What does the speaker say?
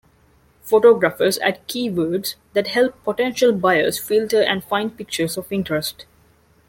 Photographers add keywords that help potential buyers filter and find pictures of interest.